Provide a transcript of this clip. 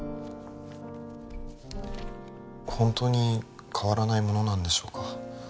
ホントに変わらないものなんでしょうか？